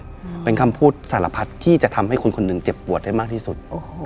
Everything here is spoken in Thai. จะมีคำสารพัดทำให้คนหนึ่งเจ็บปวดได้มากที่สุด